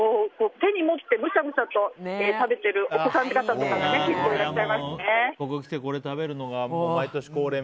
手に持ってむしゃむしゃと食べているお子さんも結構いらっしゃいますね。